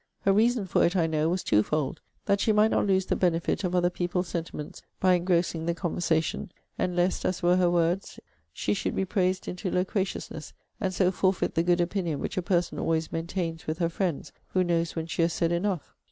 Her reason for it, I know, was twofold; that she might not lose the benefit of other people's sentiments, by engrossing the conversation; and lest, as were her words, she should be praised into loquaciousness, and so forfeit the good opinion which a person always maintains with her friends, who knows when she has said enough.